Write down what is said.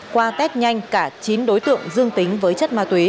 qua test nhanh cả chín đối tượng dương tính với chất ma túy